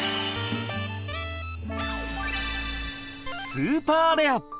スーパーレア！